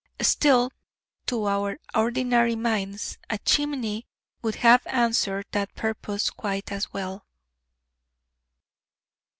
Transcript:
Still, to our ordinary minds, a chimney would have answered that purpose quite as well.